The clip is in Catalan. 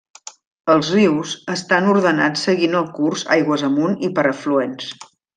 Els rius estan ordenats seguint el curs aigües amunt i per afluents.